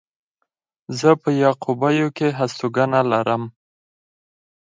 زه په يعقوبيو کې هستوګنه لرم.